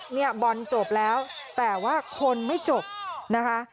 เนี่ยบอลจบแล้วแต่ว่าคนไม่จบนะคะ